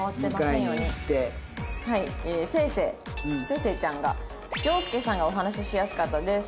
せいせいちゃんが「庸介さんがお話ししやすかったです」。